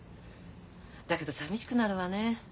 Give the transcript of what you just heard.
だけどさみしくなるわね。